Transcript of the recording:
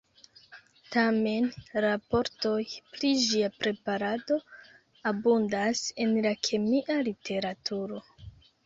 Tamen, raportoj pri ĝia preparado abundas en la kemia literaturo.